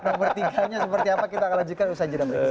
nomor tiga nya seperti apa kita akan lanjutkan usai jeda berikut